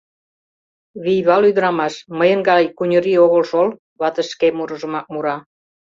— Вийвал ӱдырамаш, мыйын гай куньырий огыл шол, — ватыже шке мурыжымак мура.